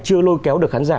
chưa lôi kéo được khán giả